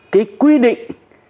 cái quy định